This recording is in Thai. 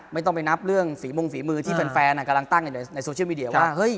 ไม่ต้องไปนับเรื่องฝีมงฝีมือที่แฟนกำลังตั้งอยู่ในโซเชียลมีเดียว่าเฮ้ย